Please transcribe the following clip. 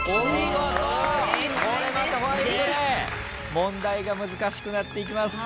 問題が難しくなっていきます。